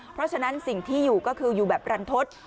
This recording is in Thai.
เพราะฉะนั้นสิ่งที่อยู่ก็คืออยู่แบบรันทศ